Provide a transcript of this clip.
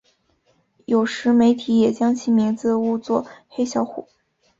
有时媒体也将其名字误作黑小虎。